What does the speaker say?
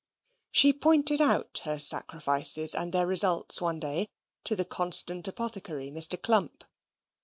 She pointed out her sacrifices and their results one day to the constant apothecary, Mr. Clump.